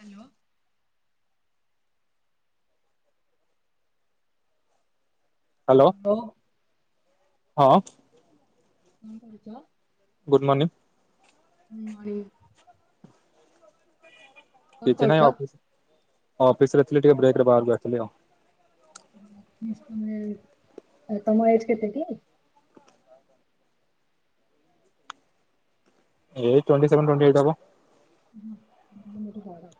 Hello. Hello ବୋ। ହଁ। କଣ କରୁଚ? Good morning. [unintelligible] କଣ କିଛି କରୁଛ? ନାଇଁ ଅଫିସ ଅଫିସରେ ଥିଲି ଟିକେ ବ୍ରେକରେ ବାହାରକୁ ଆସିଥିଲି ଆଉ। ଅଫିସ ତମେ ତମ ଏଜ କେତେ କି? ଏଇ ଟ୍ଵେଣ୍ଟି ସେଭେନ ଟ୍ୱେଣ୍ଟି ଏଇଟ ହବ। ଓହୋ ତାହେଲେ ମୋ ଠୁ ବଡ।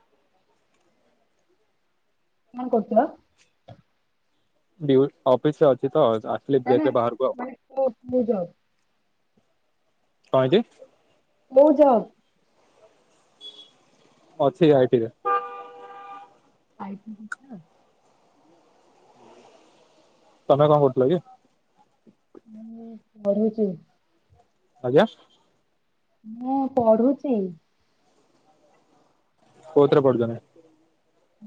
କଣ କରୁଥିଲ? ଡ୍ୟୁ ଅଫିସରେ ଅଛି ତ। ଆସିଲି ନା ନା ବ୍ରେକରେ ପ ବାହାରକୁ ଆଉ। ମାନେ କଉ କୁ ଜବ୍? କଣ ହେଇଚି? ବୋଉ ଯାଅ। ଅଛି ଆଇଟି ରେ। ଆଇ ଟି ଅଚ୍ଛା। ତମେ କଣ କରୁଥିଲ କି? ମାନେ ବଢେଇଚି। ଆଜ୍ଞା। ମୁଁ ପଢୁଚି। କଉଥିରେ ପଢୁଚନ୍ତି?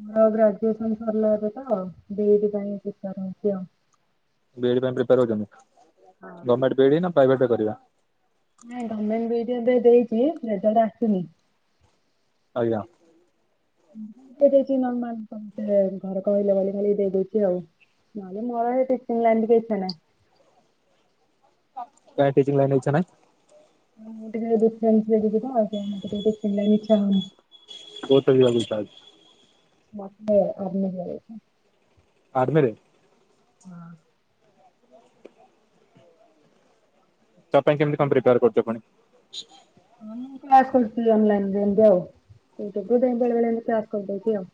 ମୋର ଗ୍ରାଜୁଏସନ ସରିଲା ଏବେ ତ ବି ଇ ଡି ପାଇଁ ପ୍ରିପାର ହଉଚି ଆଉ। ବି ଇ ଡି ପାଇଁ ପ୍ରିପେୟାର ହଁ ହଉଚନ୍ତି ଗମେଣ୍ଟ ବି ଇ ଡି ନା ପ୍ରାଇଭେଟରେ କରିବା? ନାଇଁ ଗମେଣ୍ଟ ବି ଇ ଏବେ ଦେଇଚି ରେଜ୍ଲଟ ଆସିନି। ଆଜ୍ଞା। [unintelligible] ଦେଇ ଦେଇଚି ନର୍ମାଲ କମ୍ପ୍ଲେନ୍ ଘରେ କହିଲେ ବୋଲି ଖାଲି ଦେଇଦେଇଚି ଆଉ। ନହେଲେ ମୋର ଏ ଟିଚିଂ ଲାଇନ୍ ରେ ଭି ଇଛା ନାହିଁ। କାଇଁ ଟିଚିଂ ଲାଇନ ଇଛା ନାହିଁ ହଁ ମୁଁ ଟିକେ ଡିଫେରେନ୍ସ୍ ପାଇଁ ତ ଟିକେ ତ ତେଣୁ ମତେ ଟିକେ ଡିଫେନ୍ସ୍ ଲାଇନ୍ ରେ ଇଛା ହଉନି କହ କେମିତି ଲାଗୁଛି ତାହେଲେ ମତେ ଆମେ ହେଇଯାଇଛି ଆର୍ମିରେ ହଁ ତା ପାଇଁ କେମତି କଣ ପ୍ରିପାର କରୁଛ ପୁଣି ହଁ କାସ୍ କରୁଛି ଅଲାଇନ ରେ ଏମିତି ଆଉ ଇଣ୍ଟରଭୁୟୁ ପାଇଁ ବେଳେବେଳେ ଏମିତି ଆାର୍ସ କରିଦଉଛି ଆଉ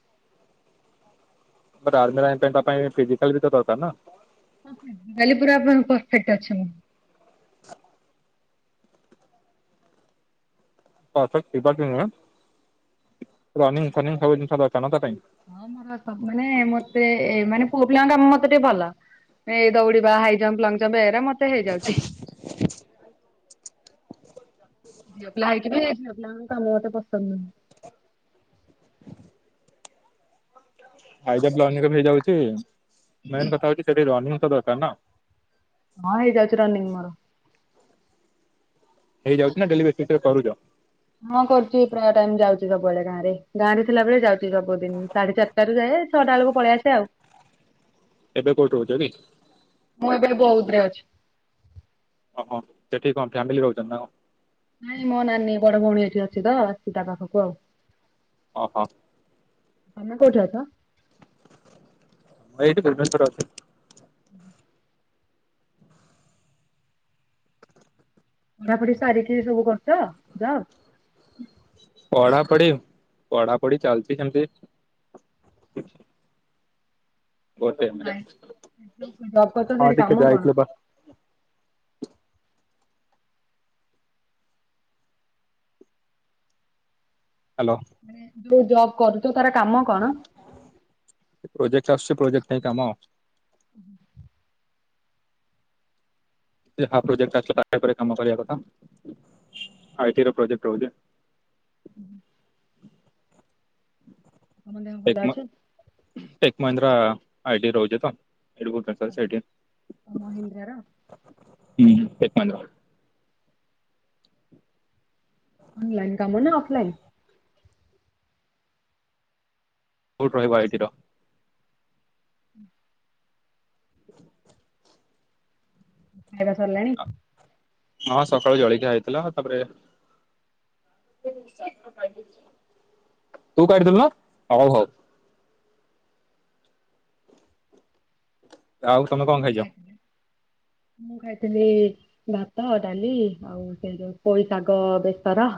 ଆର୍ମି ପାଇଁ ପାଇଁ ଫିଜିକାଲ ବି ତ ଦରକାର ନା କାଲି ପୁରା ପା ପରଫେକ୍ଟ୍ ଅଛି ମୁ ପରର୍ଫେଟ୍ ଥିବା ବି ନୁହେଁ ରନିଙ୍ଗ୍ ଫନିଙ୍ଗ୍ ସବୁ ଜିନିଷ ଦରକାର ନା ତା ପାଇଁ ହଁ ମର ସ ମାନେ ମତେ ମାନେ ପୁଅ ପିଲାଙ୍କ କାମ ମତେ ଟିକେ ଭଲ ଏଇ ଦୌଡିବା, ହାଇ ଜମ୍ପ୍, ଲଙ୍ଗ ଜମ୍ପ୍ ଏରା ମତେ ହେଇଯାଉଛି ଝିଅ ପିଲା ହେଇକି ବି ଝିଅ ପିଲାଙ୍କ କାମ ମତେ ପସନ୍ଦ ନୁହେଁ ହାଇଜମ୍ପ୍ ଲନ୍ ରେ ହେଇଯାଉଛି ମେନ୍ କଥା ହଉଛି ସେଠି ରନିଙ୍ଗ୍ ତ ଦରକାର ନା ହଁ ହେଇଯାଉଚି ରନିଙ୍ଗ୍ ମର ହେଇଯାଉଛି ନା ଡେଲି ବେସିସ୍ ରେ କରୁଛ ହଁ କରୁଛି ପ୍ରାୟ ଟାଇମ ଯାଉଛି ସବୁବେଳେ ଗାଁ ରେ ଗାଁରେ ଥିଲାବେଳେ ଯାଉଛି ଯାଉଛି ସବୁ ଦିନ ସାଢେ ଚାରିଟାରୁ ଯାଏ ଛଅଟା ବେଳକୁ ପଳେଇ ଆସେ ଆଉ ଏବେ କୋଉଠି ରହୁଛ କି? ମୁଁ ଏବେ ବଉଦ୍ ରେ ଅଛି ଓହୋ ସେଠିକି କଣ ଫ୍ୟାମିଲି ରହୁଛନ୍ତି ନା କଣ ନାଇଁ ମୋ ନାନୀ ବଡ ଭଉଣୀ ଏଠି ଅଛି ତ ଆସିଛି ତା ପାଖକୁ ଆଉ ଓ ହୋ ତମେ କୋଉଠି‌ ଅଛି ମୁଁ ଏଇଠି ଭୁବନେଶ୍ୱରରେ ଅଛି ହୁଁ ପଢ଼ାପଢ଼ି ସାରିକି ସବୁ କରୁଚ ଯବ୍ ପଢ଼ାପଢ଼ି ପଢ଼ାପଢ଼ି ଚାଲିଛି ସେମତି ଜବ୍ କରୁଚ ହଁ ସେଠି ଟିକେ କାମ ଯାଇଥିଲେ କଣ ବା ହ୍ୟାଲୋ ମାନେ ଯୋଉ ଜବ୍ କରୁଚୁ ତାର କାମ କଣ ପ୍ରୋଜେକ୍ଟ୍ ପାଇ କାମ ହୁ ପ୍ରୋଟ କାମ କରିବା କଥା ଆଇ ର ପ୍ରୋେକ୍ଟ ରହୁଛି ପୁ ହୁଁ ତମ ଦେହ ଟେକ୍ ଭଲ ମ ଅଛି ଟେକ୍ ମହିନ୍ଦ୍ରା ଆଇଡ଼ି ରହୁଛି ତ ସେଇଟି ବହୁତ ସେପଶାଲ୍ ସାଇଡ଼୍ ମହିନ୍ଦ୍ରାର ହୁଁ ଟେକ୍ ମହିନ୍ଦ୍ରା ଅନଲାଇନ୍ କାମ ନା ଅଫଲାଇନ୍ କଉଠି ରହିବ ଆଇଟିର ହ ଖାଇବା ସରିଲାଣି ହଁଁ ସକାଳୁ ଜଳଖିଆ ହେଇଥିଲା ତା ପରେ ତୁ କାଟିଥିଲୁନା ହଉ ହଉ ଆଉ ତମେ କଣ ଖାଇଛ ମୁଁ ଖାଇଥିଲି ଭାତ ଡାଲି ଆଉ ସେ ଯୋଉ ପୋଇ ଶାଗ ବେସର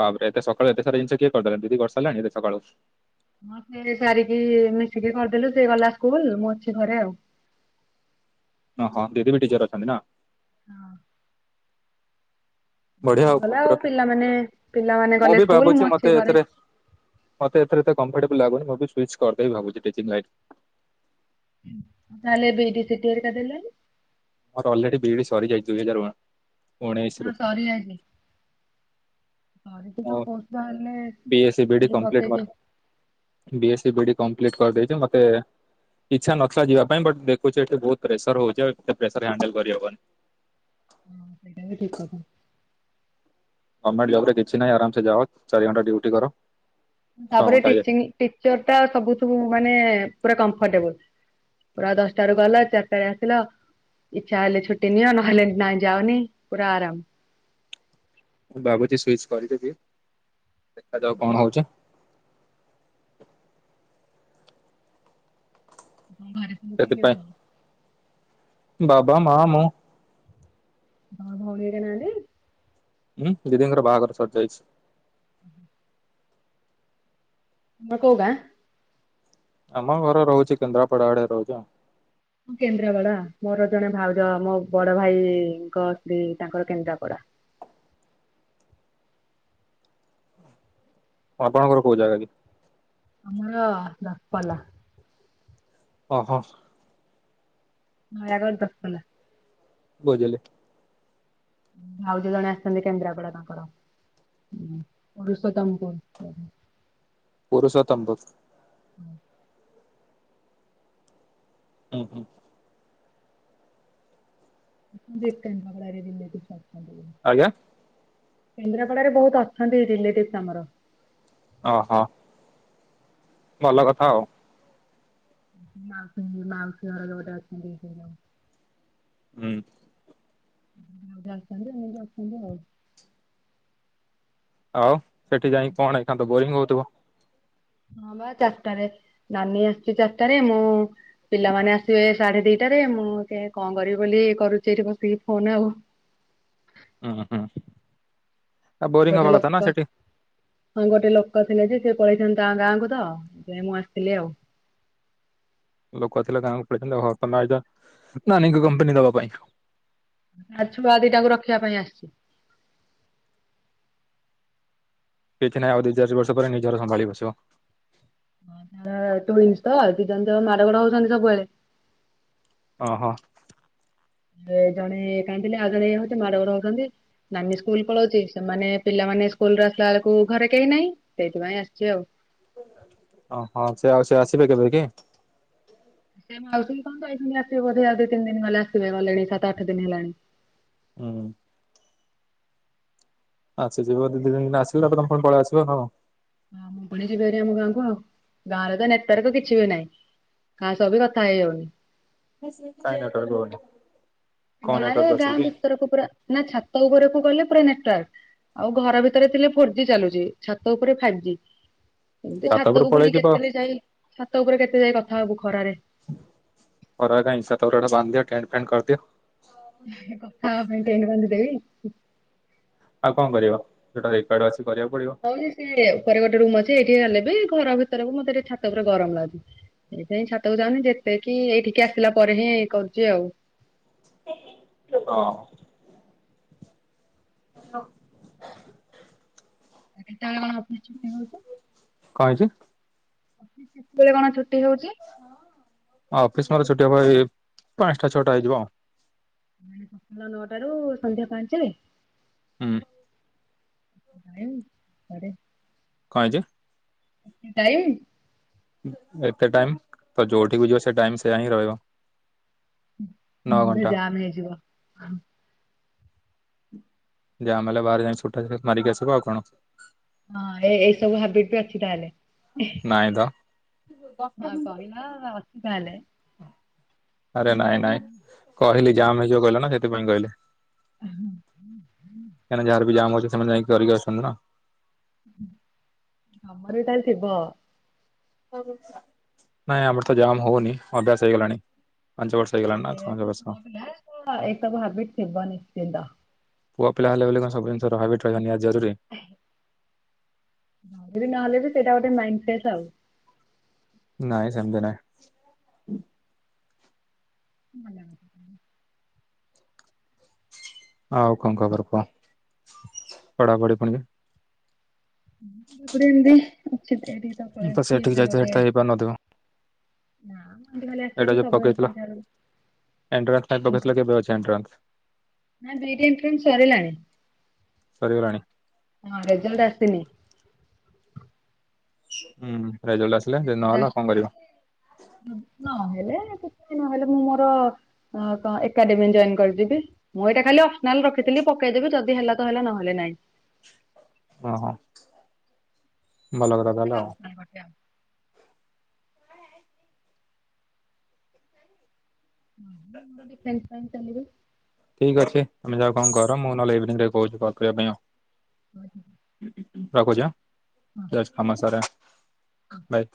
ବାପରେ ଏତେ ସକାଳୁତେ ସ ଜିନଷ କେଏ କର ଦିଦି ଘର୍ଷ ଚାଲାେ ସକାଳୁ ହଁ ସେ ସାରିକି ମିଶିକି କରିଦେଲୁ ସେ ଗଲା ସ୍କୁଲ ମୁଁ ଅଛି ଘରେ ଆଉ। ଓ ହଁ ଦିଦି ବି ଟିଚର ଅଛନ୍ତି ନା? [inaudible] ବଢିଆ ଆଉ ଗଲା କଣ ପିଲାମାନେ ପିଲାମାନେ ମୁଁ ଗଲେ ବି ସ୍କୁଲ ମୁଁ ଭାବୁଛି ଅଛି ମତେ ଘରେ। ଏଥିରେ ମତେ ଏଥରେ ତ କମ୍ଫର୍ଟେବଲ ଲାଗୁନି ମୁଁ ବି ସୁଇଚ କରିଦେଇବି ଭାବୁଛି। ନ ହେଲେ ବିଡି ସିଟି ହେରିକା ଦେଲେନି। ମୋର ଅଲରେଡି ବିଇଡି ସରି ଯାଇଛି ଦୁଇ ହଜାର ଉଣେଇଶ ହଁ ରୁ ସରିଯାଇଛି। ସରିକି ତ ହଁ ପୋଷ୍ଟ ବାହାରିଲେ ବିଏସି ବିଡି ଏଠି କମ୍ପ୍ଲିଟ୍ ପକେଇଛି ମୋର ବିଏସ୍ ବିଡି। କମ୍ପ୍ଲିଟ କରିଦେଇଛି ମତେ ଇଛା ନଥିଲା ଯିବାପାଇଁ ବଟ ଦେଖୁଛି ଏଠି ବହୁତ ପ୍ରେସର ହଉଛ ପ୍ରେସର ହାଣ୍ଡଲ କରିହବନି। ହ ହଁ ସେଇଟା ବି ଠିକ କଥା। ଗମେଣ୍ଟ ଜବରେ କିଛି ନାଇଁ ଆରାମସେ ଯାଅ ଚାରିଘଣ୍ଟା ଡ୍ୟୁଟି କର। ଛଅ ତାପରେ ଘଣ୍ଟା ଇଏ ଟିଚିଂ ଟିଚରଟା ସବୁୁଠୁଁ ମାନେ ପୁରା କମ୍ଫର୍ଟେବଲ। ପୁରା ଦଶଟାରୁ ଗଲ ଚାରିଟାରେ ଆସିଲ। ଇଛା ହେଲେ ଛୁଟି ନିଅ ନହେଲେ ନାଇଁ ଯାଅନି ପୁରା ଆରାମ। ଭାବୁଛି ସୁଇଚ କରିଦେବି ଦେଖାଯାଉ କଣ ହଉଛି। [inaudible] ବାବାା ମା ମୁଁ। ଭ ଭଉଣୀହେରିକା ନାହାନ୍ତି। ହୁଁ ଦିଦିଙ୍କର ବାହାଘର ସରିଯାଇଛି। ହ କୋଉ ଗାଁ? ଆମ ଘର ରହୁଛି କେନ୍ଦ୍ରାପଡ଼ା ଆଡେ ରହୁଛ। ମୁଁ କେନ୍ଦ୍ରାପଡା ମୋର ଜଣେ ଭାଉଜ ମୋ ବଡ ଭାଇଙ୍କ ସ୍ତ୍ରୀ ତାଙ୍କର କେନ୍ଦ୍ରାପଡା। ହ ଆପଣଙ୍କର କୋଉ ଜାଗା କି? ଆମର ଦଶପଲ୍ଲା। ଅହୋ। ହଁ ଏହା ଘର ଦଶପଲ୍ଲା। [unintelligible] ଭାଉଜ ଜଣେ ଆସିଛନ୍ତି କେନ୍ଦ୍ରାପଡ଼ା ତାଙ୍କର। ହଁ ପୁରୁଷୋତ୍ତମପୁର। ପୁରୁଷୋାତମପୁର। ହୁଁ। ହୁଁ ହୁଁ। [unintelligible] ଆଜ୍ଞା। କେନ୍ଦ୍ରାପଡାାରେ ବହୁତ ଅଛନ୍ତି ରିଲେଟିଭସ ଆମର। ଅହୋ। ଭଲ କଥା ଆଉ। ମାଉସ ମାଉସୀ ଘର ବି ଗୋଟେ ଅଛନ୍ତି। ହୁଁ। [unintelligible] ଆଉ ସେଠି ଯାଇକି କଣ ଏଇକ୍ଷିଣା ତ ବୋରିଙ୍ଗ ହଉଥିବ। ହଁ ବା ଚାରିଟାରେ ନାନୀ ଆସିଛି ଚାରିଟାରେ ମୁଁ ପିଲାମାନେ ଆସିବେ। ସାଢେ ଦିଟାରେ ମୁଁ ସେ କଣ କରିବି ବୋଲି କରୁଛି ଏଠି ବସିକି ଫୋନ ଆଉ। ହଁ ହୁଁ। ଆଉ ବୋରିଂ ଗୋଟେ ହବା କଥା ନା ଲୋକ ସେଠି। ହଁ ଗୋଟେ ଲୋକ। ଥିଲେ ଯେ ସେ ପଳେଇଛନ୍ତି ତା ଗାଁକୁ ତ ଯ ମୁଁ ଆସିଥିଲି ଆଉ ଲୋକ ଆଥିଲେ ଗାଁ ପେଇଛନ୍ତି ନାଁ କମ୍ପାନୀ ଦବା ପାଇଁ ତା ଛୁଆ ଦିଟାକୁ ରଖିବା ପାଇଁ ଆସିଛି। ପ ି ନାଇଁ ଆଦ ଦି ଚାର ବର୍ଷ ପରେ ନଜାରା ସମ୍ଭାଳିି ବସ ତ ଦିଇ ଜଣ ତ ମାଡ ଗୋଡ ହଉଛନ୍ତି ସବୁବେଳେ ଓ ହୋ ଜଣେ କାହିଁଥିଲେ ଆଗଇ ହଉଛି ମାଡଘର ହଉଛନ୍ତି ନାନୀ ସ୍କୁଲ ପଳାଉଛି ସେମାନେ ପିଲାମାନେ ସ୍କୁଲରେ ଆସିଲା ବେଳକୁ ଘରେ କେହି ନାହିଁ ସେଇଥିପାଇଁ ଆସିଛି ଆଉ ଓହଁ ସେ ଆଉ ସେ ଆସିବେ କେବେ କି ଆଉ କହ ତ ଯଇି ଆସିବ ବୋଧେ ଆଉ ଦି ତିନ ଦିନ ହେଲେ ଆସିବେ ଗଲେଣି ସାତ ଆଠ ଦିନ ହେଲାଣି ହୁଁ ଆଚଛା ଯିବ ଦି ଦିନ ଦିନ ଆସିବ ତା ତମ ପଳେଇ ଆସିବ ହଁ ହଁ ମୁଁ ପୁଣି ଯିବିାରି ଆମ ଗାଁ କ ଆଉ ଗାଁ ର ତ ନେତାରକ କିଛି ବି ନାହିଁ କା ସବି କଥା ହେଇଯାଉନି କହିଁ ନ କରଦଉନ ଗାଁରେ ଗାଁ ଭିତରକୁ ପୁରା ନା ଛାତ ଉପରକୁ ଗଲେ ପୁରା ନ ଆଉ ଘର ଭିତରେ ଥିଲେ ଫୋର ଜ ଚାଲୁଛି ଛାତ ଉପରେ ଫାଇଭ ଜ ଏମିତି ଛାତ ଉପରୁ ଛାତକୁ ପଳେଇ ପୁଣି ଯିବ। କେତେ ଯାଇ ଛାତ ଉପରେ କେତେ ଯାଇ କଥା ହବ ଖରାରେ ହ ହିଂସତାଟା ବାନ୍ଧ ଦି ଟେଣ୍ଟ ଫଣ୍ଟ କରଦି ହ ମଣ୍ଟ ନ ବନ୍ଦଦେବ ଆଉ କଣ କରିବ ଯୋଟା ରେକଡ ଅଛି କରିବାକୁ ପଡିବ। ହଉ ସେ ଉପରେ ଗୋଟେ ରୁମ ଅଛି ଏଇଠି ହେଲେ ବି ଘର ଭିତରକୁ ମତେ ଟ ଛାତ ପୁରା ଗରମ ଲାଗୁି ସେଇଥିାଇଁ ଛାତକୁ ଯାଉନି ଯେତେକି ଏଇଠିକି ଆସିଲା ପରେ ହିଁଇ କରୁଛି ଆଉ ହ ହଁ ଳେ କଣ କଣ ହେଇଛି ହଉଳେ କଣ ହଉଛି? ଅଫିସ ମା ତ ଛଟଆ ଭାଇ ପାଞ୍ଚଟା ଛୋଟା ହେଇ ଯିବ ସକାଳ ନଅଟାରୁ ସନ୍ଧ୍ୟା ପାଞ୍ଚରେ ହୁଁ ଖରେେ କଣ ଯେ ଏେ ଟାଇମ୍ ଏତେ ଟାଇମ ତ ଯୋଉଠିକୁ ଯିବ ସେ ଟାଇମ ସେଆା ହିଁ ରହିବ ନଅ ମୁଟ ଘଣ୍ଟା ଯାାମ ଯିବା ଯାହାମେ ବାହାର ଯାଇଣିଛୁଟା ମରିଗସ କଉ କଣ ହଁ ଏ ଏଇ ସବୁ ହାବିଟ ବି ଅଛି ତାହେଲେ ନଈଁଦ ହଁ କହିଲ ଅଛିିକହଲେ ଆରେ ନାଇଁ ନାଇଁ କହିଲି ଜମ୍ ହେଇଯିବ କହିଲ ନା ସେଥିପାଇଁ କହିଲେ କାହିଁକି ଯାହାର ବି ଜାମ ଅଛି ସେମାନେ ଯାଇକି କରିକି ଅଛନ୍ତି ନା ଆମରଟା ଶିବ ନାଇଁ ଆମର ତ ଜାମ ହଉନି ଅଭ୍ୟାସ ହେଇଗଲାଣି ପାଞ୍ଚ ବର୍ଷ ହେଇଗଲାଣି ନା ପାଞ୍ଚ ବର୍ଷ ଏକବିଟ ସବା ନିଶି ପୁଅ ପିଲା ହେଲେ ବୋଲି କଣ ସବୁ ଜିନିଷର ହ୍ୟାବିଟ୍ ରହିବାା ନିହା ଜରୁରୀ ଭ ବି ନହେଲେ ବି ସେଇଟା ଗୋଟେ ମାଇଣ୍ଡ ଫ୍ର ଆଉ ନାଇଁ ସେଧ୍ୟ ନାହିଁ ଲ ଆଉ କଣ ଖବର କୁହ ପଢାପଢି ପଣ ତାପରେ ଏମିତି ଅଛି ଏଇଠିକି ପଳେଇ ତ ଆସିଛି ସେଠିକ ଏବେ ଯାଇଛ ଗୋଟେ ସେଠ ତ ହେଇପାର ନଥିବ ନା ମ ଏମିତି ଖାଲି ଆସେ ଏଟା ହେରି ଯୋଉ ସବୁଦିନ ପକେଇଥିଲ ସନ୍ଧ୍ୟା ବେଳକୁ ଏଣ୍ଟାନ୍ସ ପକେଇଥିଲା କେବେ ଅଛି ଏଟାନ୍ସ ନାଁ ଫୋନ୍ ଏ ଫ୍ରେଣ୍ଡ ସରିଲାଣି। ସରିଗଲାଣି? ହଁ ରେଜାଲଟ ଆସିନି। ହୁଁ। ରେଜଲ୍ଟ ଆସିଲା ଯଦି ନ ନହେଲା କଣ କରିବ? ହେଲେ ନହେଲେ ମୁଁ ମୋର ଏକାଡେମୀ ଜଏନ କରିଯିବି ମୁଁ ଏଇଟା ଖାଲି ଅପସନାଲ ରଖିଥିଲି। ପକେଇଦେବି ଯଦି ହେଲା ତ ହେଲା ନହେଲେ ନାଇଁ। ଓ ହୋ। [unintelligible] ଡି ଫ୍ରେସ୍ ପାଇଁ ଚାଲିିବ। ଠିକ ଅଛି ତମେ ଯାଅ କଣ କର ମୁଁ ନହେଲେ ଇଭିନିଂ ରେ କହୁଛି କଲ କରିବା ପାଇଁ ଆଉ। [unintelligible] ରଖୁଛି ଆ ହଁ ଯାଉଚି କାମ ସାରେ। ବାଏ।